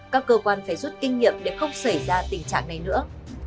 các cơ quan phải rút kinh nghiệm để không xảy ra tình trạng này nữa